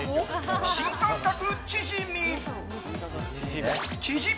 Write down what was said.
新感覚チヂミ。